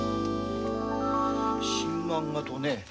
新漫画党ね。